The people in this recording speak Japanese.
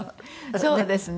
そうですね。